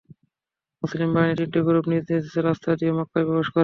মুসলিম বাহিনীর তিনটি গ্রুপ নিজ নিজ রাস্তা দিয়ে মক্কায় প্রবেশ করে।